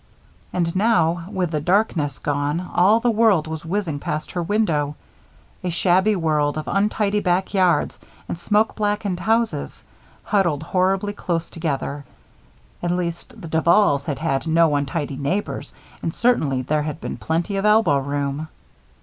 And now, with the darkness gone, all the world was whizzing past her window. A shabby world of untidy backyards and smoke blackened houses, huddled horribly close together at least the Duvals had had no untidy neighbors and certainly there had been plenty of elbow room.